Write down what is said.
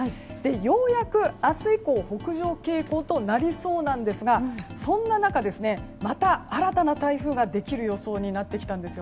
ようやく明日以降北上傾向となりそうなんですがそんな中、また新たな台風ができる予想になってきました。